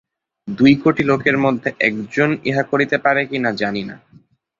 দুই কোটি লোকের মধ্যে একজন ইহা করিতে পারে কিনা, জানি না।